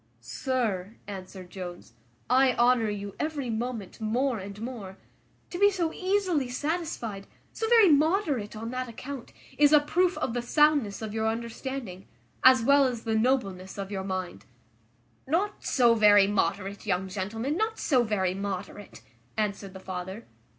"Sir," answered Jones, "I honour you every moment more and more. To be so easily satisfied, so very moderate on that account, is a proof of the soundness of your understanding, as well as the nobleness of your mind." "Not so very moderate, young gentleman, not so very moderate," answered the father.